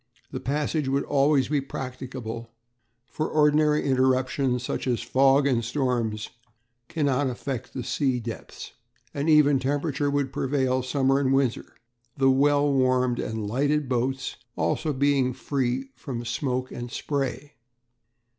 The passage would be always practicable, for ordinary interruptions such as fog and storms cannot affect the sea depths. An even temperature would prevail summer and winter, the well warmed and lighted boats being also free from smoke and spray.